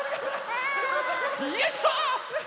よいしょっ！